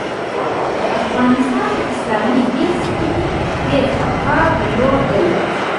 د افغانستان په اسلامي حزب کې مې تېز افکار درلودل.